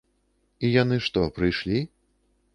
І яны што, прыйшлі?